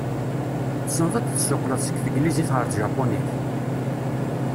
Tessneḍ ad d-tessuqled seg teglizit ɣer tjapunit?